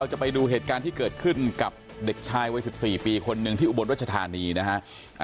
จะไปดูเหตุการณ์ที่เกิดขึ้นกับเด็กชายวัย๑๔ปีคนหนึ่งที่อุบลรัชธานีนะฮะ